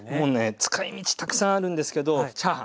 使いみちたくさんあるんですけどチャーハン。